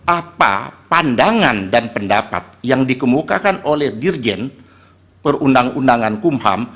apa pandangan dan pendapat yang dikemukakan oleh dirjen perundang undangan kumham